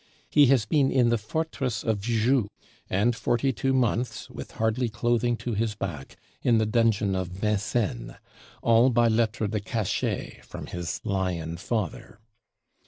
He has been in the Fortress of Joux; and forty two months, with hardly clothing to his back, in the Dungeon of Vincennes; all by lettre de cachet, from his lion father.